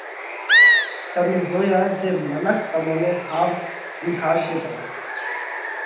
تمي زويا جي منک تمون نئہ ۿاوَ وِيهارشي پرا۔